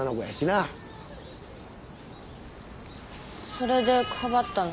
それでかばったの？